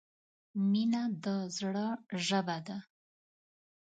• مینه د زړۀ ژبه ده.